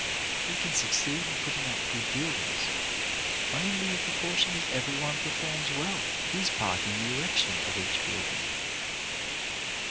We can succeed in putting up good buildings only in pro portion as every one performs well his part in the erection of each building.